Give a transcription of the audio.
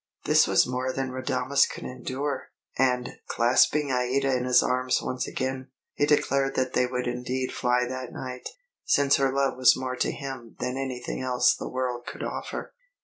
This was more than Radames could endure; and, clasping Aïda in his arms once again, he declared that they would indeed fly that night, since her love was more to him than anything else the world could offer.